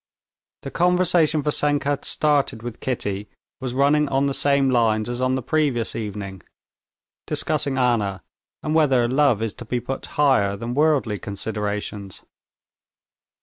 The conversation Vassenka had started with Kitty was running on the same lines as on the previous evening, discussing Anna, and whether love is to be put higher than worldly considerations.